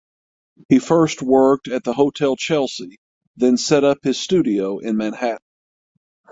He first worked at the Hotel Chelsea then set up his studio in Manhattan.